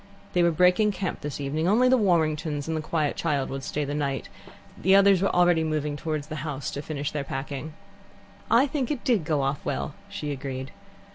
They were breaking camp this evening: only the Warringtons and quiet child would stay the night, and the others were already moving towards the house to finish their packing. "I think it did go off well," she agreed.